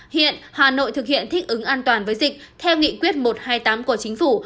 hiện hà nội thực hiện thích ứng an toàn với dịch theo nghị quyết một trăm hai mươi tám của chính phủ